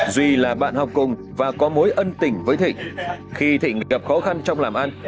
duy là bạn học cùng và có mối ân tỉnh với thịnh khi thịnh gặp khó khăn trong làm ăn